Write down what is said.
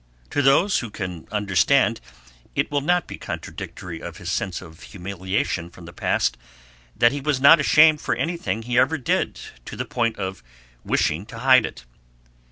To those who can understand it will not be contradictory of his sense of humiliation from the past, that he was not ashamed for anything he ever did to the point of wishing to hide it.